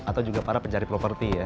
atau juga para pencari properti ya